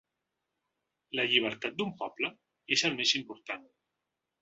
La llibertat d’un poble és el més important.